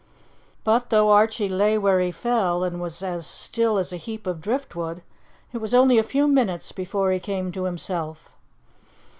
But though Archie lay where he fell, and was as still as a heap of driftwood, it was only a few minutes before he came to himself.